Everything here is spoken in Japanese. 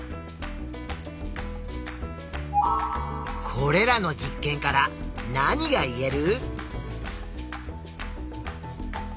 これらの実験から何が言える？